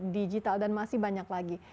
digital dan masih banyak lagi